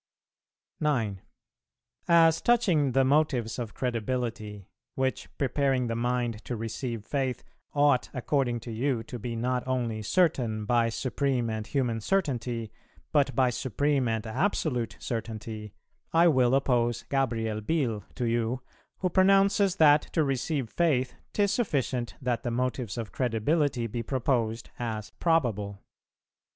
[335:1] .... 9. "As touching the motives of credibility, which, preparing the mind to receive Faith, ought according to you to be not only certain by supreme and human certainty, but by supreme and absolute certainty, I will oppose Gabriel Biel to you, who pronounces that to receive Faith 'tis sufficient that the motives of credibility be proposed as probable.